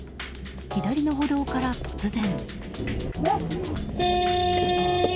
左の歩道から突然。